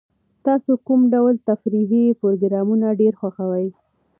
تاسو کوم ډول تفریحي پروګرامونه ډېر خوښوئ؟